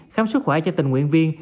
khám sức khỏe cho tình nguyện viên